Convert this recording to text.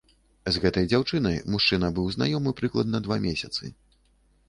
З гэтай дзяўчынай мужчына быў знаёмы прыкладна два месяцы.